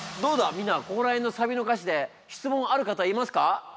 みんなここら辺のサビの歌詞で質問ある方いますか？